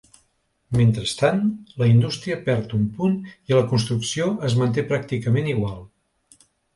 Mentrestant, la indústria perd un punt i la construcció es manté pràcticament igual.